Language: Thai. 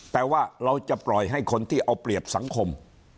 แต่ว่าเราจะปล่อยให้คนที่เอาเปรียบสังคม